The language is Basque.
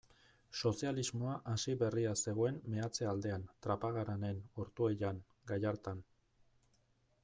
Sozialismoa hasi berria zegoen meatze-aldean, Trapagaranen, Ortuellan, Gallartan.